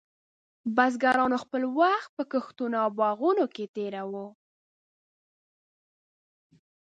بزګرانو خپل وخت په کښتونو او باغونو کې تېراوه.